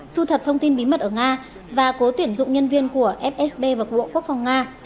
thu thật thông tin bí mật ở nga và cố tuyển dụng nhân viên của fsb và cộng đồng quốc phòng nga